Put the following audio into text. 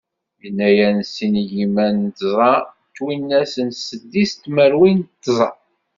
Yennayer n sin igiman d tẓa twinas d seddis tmerwin d tẓa.